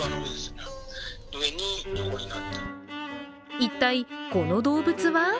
一体、この動物は？